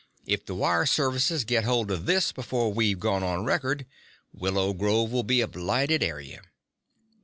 If the wire services get hold of this before we've gone on record, Willow Grove'll be a blighted area."